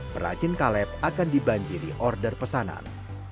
perajin kaleb akan dibanjiri order pesanan